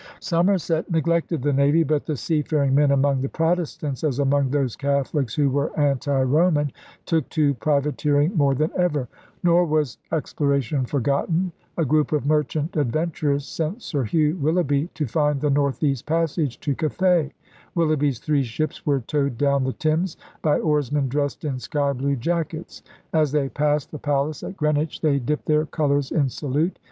Somerset neglected the navy. But the sea faring men among the Protestants, as among those Catholics who were anti Roman, took to privateering more than ever. Nor was explora tion forgotten. A group of merchant adventurers sent Sir Hugh Willoughby to find the Northeast Passage to Cathay. Willoughby's three ships were towed down the Thames by oarsmen dressed in sky blue jackets. As they passed the palace at Greenwich they dipped their colors in salute.